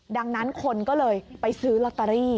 ดังนั้นคนก็เลยไปซื้อลอตเตอรี่